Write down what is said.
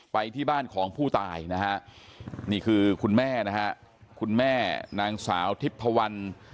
อายุ๑๐ปีนะฮะเขาบอกว่าเขาก็เห็นถูกยิงนะครับ